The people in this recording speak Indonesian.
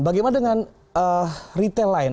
bagaimana dengan retail lain